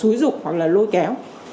hoặc là xúi rục hoặc là lôi kéo